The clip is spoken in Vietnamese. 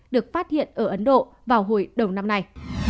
được phát hiện ở ấn độ vào hồi đầu năm nay